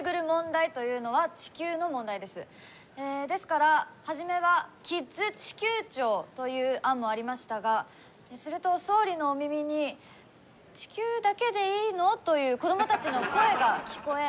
ですから初めは「キッズ地球庁」という案もありましたがすると総理のお耳に「地球だけでいいの？」という子どもたちの声が聴こえ。